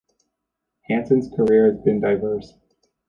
Hanson's career has been diverse.